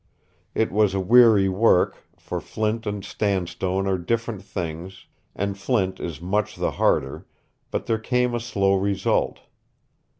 It was a weary work, for flint and sandstone are different things and flint is much the harder, but there came a slow result.